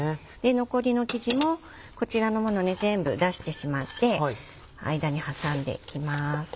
残りの生地もこちらのもの全部出してしまって間に挟んでいきます。